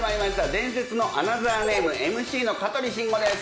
伝説のアナザーＭＣの香取慎吾です。